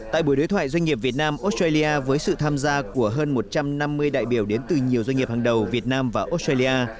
tại buổi đối thoại doanh nghiệp việt nam australia với sự tham gia của hơn một trăm năm mươi đại biểu đến từ nhiều doanh nghiệp hàng đầu việt nam và australia